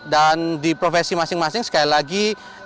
dan di profesi masing masing sekali lagi